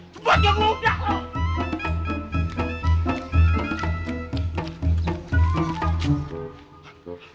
buat yang lu udah lo